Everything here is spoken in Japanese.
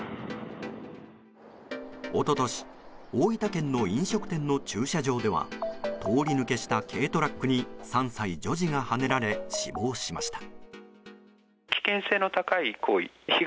一昨年、大分県の飲食店の駐車場では通り抜けした軽トラックに３歳女児がはねられ死亡しました。